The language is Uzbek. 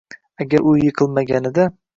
Agar u yiqilmaganida…